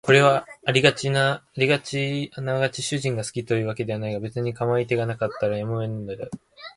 これはあながち主人が好きという訳ではないが別に構い手がなかったからやむを得んのである